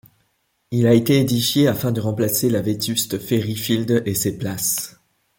Il a été édifié afin de remplacer le vétuste Ferry Field et ses places.